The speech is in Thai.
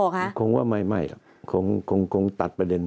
ผมว่าไม่คงตัดประเด็น